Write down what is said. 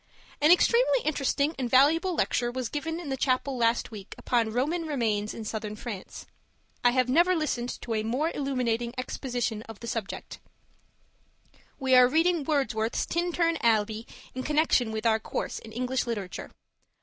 An extremely interesting and valuable lecture was given in the chapel last week upon Roman Remains in Southern France. I have never listened to a more illuminating exposition of the subject. We are reading Wordsworth's Tintern Abbey in connection with our course in English Literature.